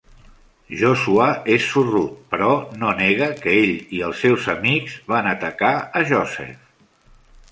Joshua és sorrut, però no nega que ell i els seus amics van atacar a Joseph.